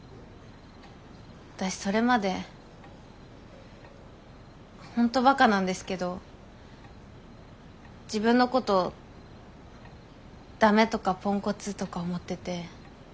私それまで本当バカなんですけど自分のことを駄目とかポンコツとか思ってて。